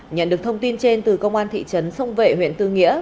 nhận được thông tin trên từ công an thị trấn sông vệ huyện tư nghĩa